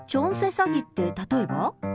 詐欺って例えば？